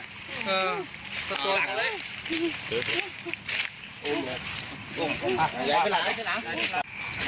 ก็ตรงหลังเลย